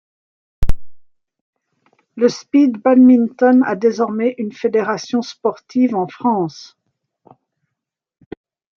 Le speed badminton a désormais une fédération sportive en France.